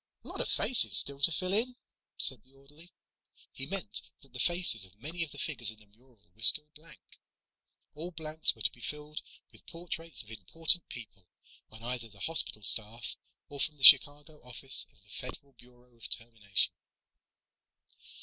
"Lot of faces still to fill in," said the orderly. He meant that the faces of many of the figures in the mural were still blank. All blanks were to be filled with portraits of important people on either the hospital staff or from the Chicago Office of the Federal Bureau of Termination.